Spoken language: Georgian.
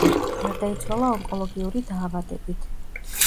გარდაიცვალა ონკოლოგიური დაავადებით.